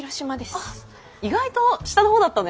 あっ意外と下のほうだったね。